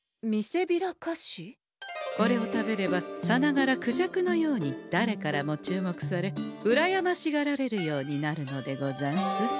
これを食べればさながらクジャクのようにだれからも注目されうらやましがられるようになるのでござんす。